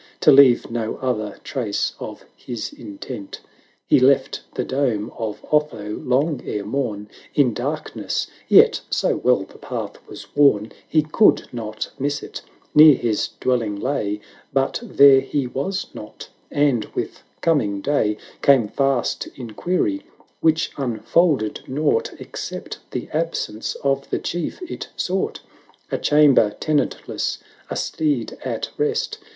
To leave no other trace of his intent. He left the dome of Otho long ere morn, In darkness, yet so well the path was worn He could not miss it : near his dwelling lay, But there he was not; and with coming day Came fast inquiry, which unfolded nought, 750 Except the absence of the Chief it sought. A chamber tenantless, a steed at rest.